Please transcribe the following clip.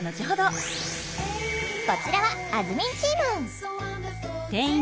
こちらはあずみんチーム。